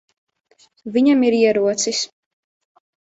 Viņam ir ierocis.